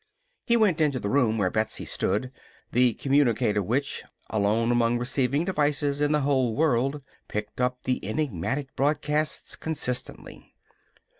He went into the room where Betsy stood the communicator which, alone among receiving devices in the whole world, picked up the enigmatic broadcasts consistently.